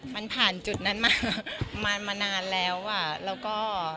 มันผ่านจุดนั้นมามานานแล้วอ่ะแล้วก็